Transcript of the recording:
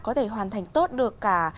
có thể hoàn thành tốt được cả